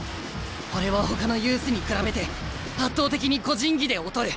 俺はほかのユースに比べて圧倒的に個人技で劣る。